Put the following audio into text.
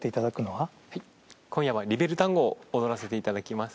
はい今夜は『リベルタンゴ』を踊らせていただきます。